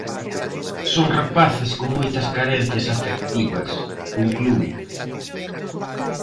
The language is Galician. "Son rapaces con moitas carencias afectivas", conclúe.